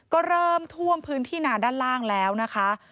ก็เริ่มท่วมพื้นที่นาด้านล่างแล้วนะคะ